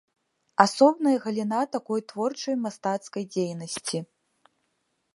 Асобная галіна такой творчай мастацкай дзейнасці.